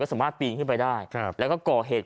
สามารถปีนขึ้นไปได้แล้วก็ก่อเหตุ